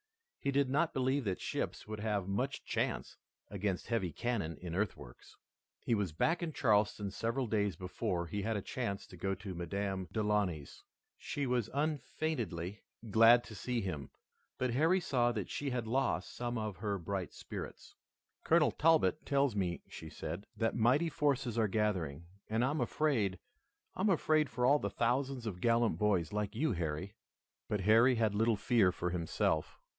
He did not believe that ships would have much chance against heavy cannon in earthworks. He was back in Charleston several days before he had a chance to go to Madame Delaunay's. She was unfeignedly glad to see him, but Harry saw that she had lost some of her bright spirits. "Colonel Talbot tells me," she said, "that mighty forces are gathering, and I am afraid, I am afraid for all the thousands of gallant boys like you, Harry." But Harry had little fear for himself.